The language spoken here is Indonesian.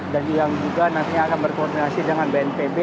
dan yang juga nantinya akan berkoordinasi dengan bnpb